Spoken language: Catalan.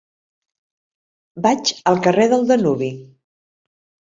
Vaig al carrer del Danubi.